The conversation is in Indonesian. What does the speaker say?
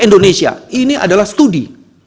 indonesia ini adalah studi